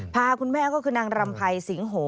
พาคุณแม่ก็คือนางรำภัยสิงโห